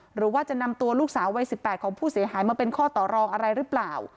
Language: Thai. หรือว่าจะนำตัวลูกสาววัย๑๘ของผู้เสียหายมาเป็นข้อต่อรองอะไรหรือเปล่า